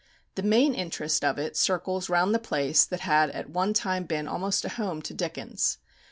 The main interest of it circles round the place that had at one time been almost a home to Dickens.